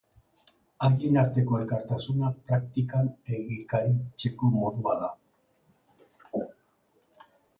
Haien arteko elkartasuna praktikan egikaritzeko modua da.